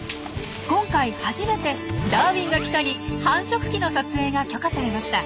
今回初めて「ダーウィンが来た！」に繁殖期の撮影が許可されました。